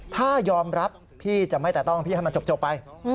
ถ้ายอมรับพี่จะไม่แต่ต้องพี่ให้มันจบไป